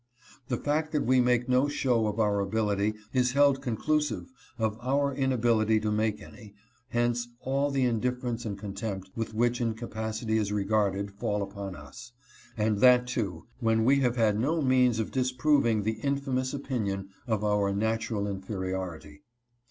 The fact that we make no show of our ability is held conclusive of our inability to make any, hence all the indifference and contempt with which incapacity is regarded fall upon us, and that too when we have had no means of disproving the infamous opinion of our natural inferiority.